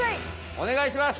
おねがいします！